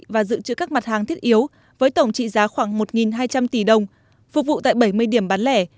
và dự trữ các mặt hàng thiết yếu với tổng trị giá khoảng một hai trăm linh tỷ đồng phục vụ tại bảy mươi điểm bán lẻ